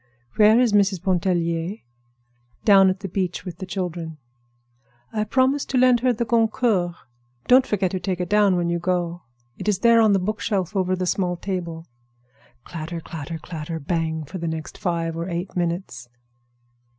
"Where is Mrs. Pontellier?" "Down at the beach with the children." "I promised to lend her the Goncourt. Don't forget to take it down when you go; it's there on the bookshelf over the small table." Clatter, clatter, clatter, bang! for the next five or eight minutes.